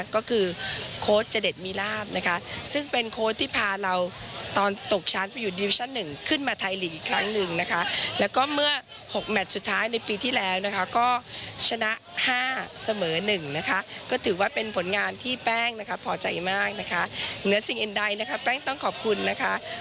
ขอบใจมากนะคะเหนือสิ่งอินใดนะครับแป้งต้องขอบคุณนะคะ